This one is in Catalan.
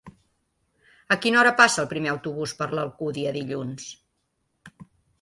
A quina hora passa el primer autobús per l'Alcúdia dilluns?